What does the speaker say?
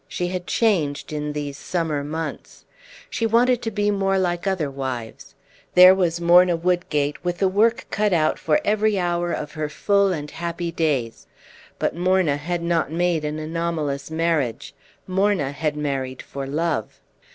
She had changed in these summer months. She wanted to be more like other wives. There was Morna Woodgate, with the work cut out for every hour of her full and happy days; but Morna had not made an anomalous marriage, Morna had married for love.